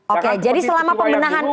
oke jadi selama pemenahan